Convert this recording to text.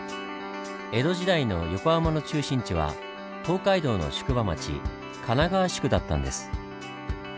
江戸時代の横浜の中心地は東海道の宿場町神奈川宿だったんです。